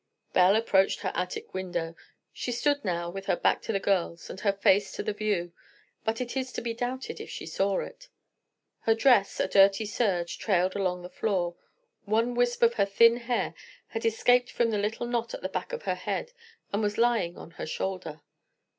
Belle approached her attic window. She stood now with her back to the girls and her face to the view; but it is to be doubted if she saw it. Her dress, a dirty serge, trailed along the floor, one wisp of her thin hair had escaped from the little knot at the back of her head, and was lying on her shoulder.